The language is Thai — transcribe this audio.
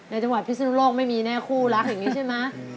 จังหวัดพิศนุโลกไม่มีแน่คู่รักอย่างนี้ใช่ไหม